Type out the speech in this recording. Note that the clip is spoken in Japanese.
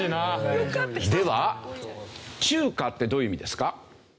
では「中華」ってどういう意味ですか？